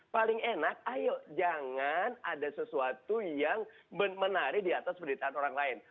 paling enak ayo jangan ada sesuatu yang menarik di atas penderitaan orang lain